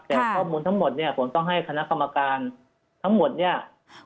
แต่ข้อมูลทั้งหมดเนี่ยผมต้องให้คณะกรรมการทั้งหมดเนี่ย